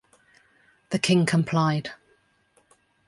The king complied.